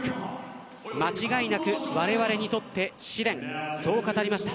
間違いなくわれわれにとって試練そう語りました。